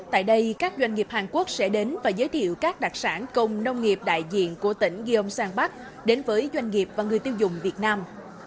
tại đây các doanh nghiệp hàn quốc sẽ đến và giới thiệu các đặc sản công nông nghiệp đại diện của tỉnh gyeongsan park đến với doanh nghiệp và người tiêu dùng việt nam